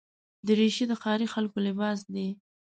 دریشي د ښاري خلکو لباس دی.